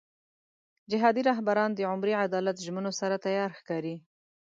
جهادي رهبران د عمري عدالت ژمنو سره تیار ښکاري.